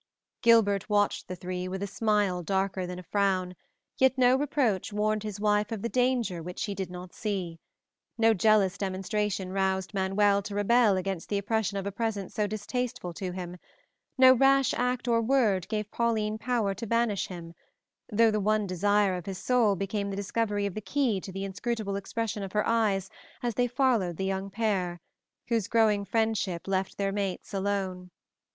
Gilbert watched the three with a smile darker than a frown, yet no reproach warned his wife of the danger which she did not see; no jealous demonstration roused Manuel to rebel against the oppression of a presence so distasteful to him; no rash act or word gave Pauline power to banish him, though the one desire of his soul became the discovery of the key to the inscrutable expression of her eyes as they followed the young pair, whose growing friendship left their mates alone.